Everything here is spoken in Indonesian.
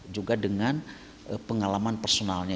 juga dengan pengalaman personalnya